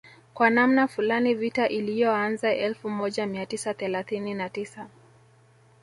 Kwa namna fulani vita iliyoanza elfu moja mia tisa thelathini na tisa